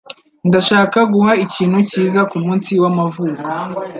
Ndashaka guha ikintu cyiza kumunsi w'amavuko.